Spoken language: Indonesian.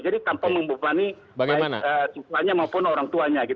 jadi tanpa membebani siswanya maupun orang tuanya